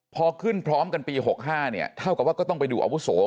พอขึ้นพร้อมกันปี๖๕เนี่ยเท่ากับว่าก็ต้องไปดูอาวุโส